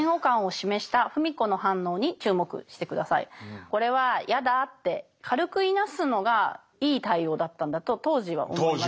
この時これは「やだぁ」って軽くいなすのがいい対応だったんだと当時は思います。